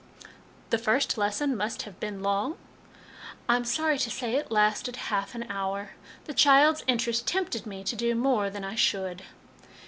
"The first lesson must have been long?" "I'm sorry to say it lasted half an hour. The child's interest tempted me to do more than I should."